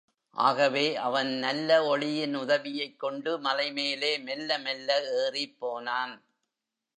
ஆகவே, அவன் நல்ல ஒளியின் உதவியைக் கொண்டு மலை மேலே மெல்ல மெல்ல ஏறிப் போனான்.